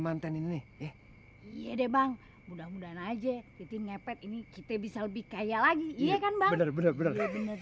mantan ini iya deh bang mudah mudahan aja kita bisa lebih kaya lagi iya kan bang bener bener